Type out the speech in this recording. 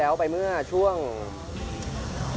อันนี้เนื้อวัวเนอะ